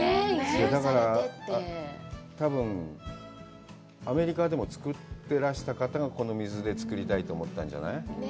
だから、多分、アメリカでも造ってらした方がこの水で造りたいと思ったんじゃない？